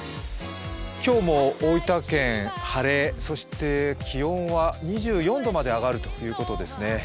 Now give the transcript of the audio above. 今日も大分県、晴れ、そして気温は２４度まで上がるということですね